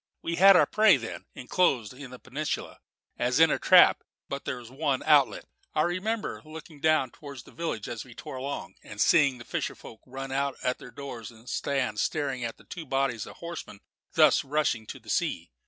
We had our prey, then, enclosed in that peninsula as in a trap; but there was one outlet. I remember looking down towards the village as we tore along, and seeing the fisher folk run out at their doors and stand staring at the two bodies of horsemen thus rushing to the sea.